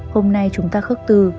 hôm nay chúng ta khước từ